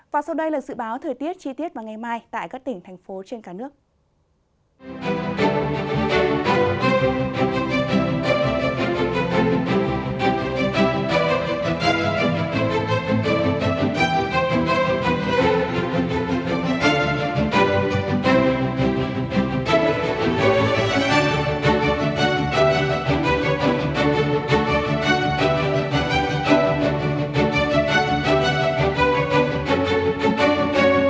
và sau đây là sự báo thời tiết chi tiết vào ngày mai tại các tỉnh thành phố trên cả nước